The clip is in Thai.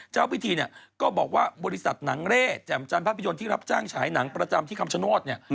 เจ้าพิธีเนี่ยก็บอกว่าบริษัทหนังเร่แจ่มจันภาพยนตร์ที่รับจ้างฉายหนังประจำที่คำชโนธเนี่ย